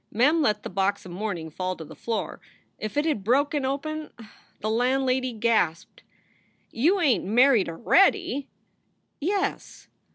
Mem let the box of mourning fall to the floor. If it had broken open ! The landlady gasped: "You ain t married a ready?" "Yes."